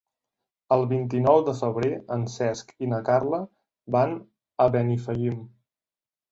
El vint-i-nou de febrer en Cesc i na Carla van a Benifallim.